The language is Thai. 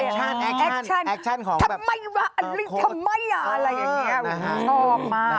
แอคชั่นแอคชั่นแอคชั่นของแบบทำไมวะอะไรอย่างเงี้ยโอ้โหชอบมาก